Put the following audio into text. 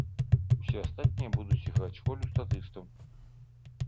Усе астатнія будуць іграць ролю статыстаў.